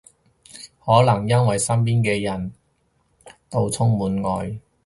可能因為身邊嘅人到充滿愛